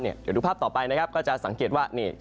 เดี๋ยวดูภาพต่อไปนะครับก็จะสังเกตว่านี่